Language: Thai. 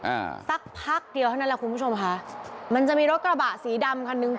อ่าสักพักเดียวเท่านั้นแหละคุณผู้ชมค่ะมันจะมีรถกระบะสีดำคันนึง